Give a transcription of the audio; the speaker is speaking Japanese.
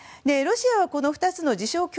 ロシアはこの２つの自称